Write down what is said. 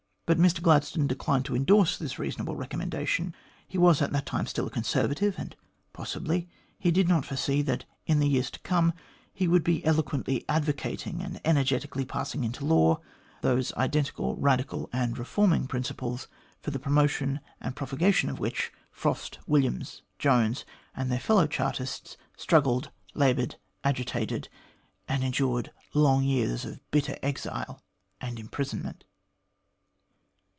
But Mr Gladstone declined to endorse this reason able recommendation. He was at that time still a Con servative, and possibly he did not foresee that, in the years to come, he would be eloquently advocating and energetically jpassing into law, those identical Radical and Reforming 174 THE GLADSTONE COLONY principles for the promotion and propagation of which Frost, Williams, Jones, and their fellow Chartists struggled, laboured, agitated, and endured long years of bitter exile and imprison ment.